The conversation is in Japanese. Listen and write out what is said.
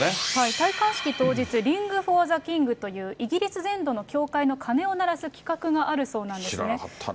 戴冠式当日、リング・フォー・ザ・キングというイギリス全土の教会の鐘を鳴ら知らなかったな。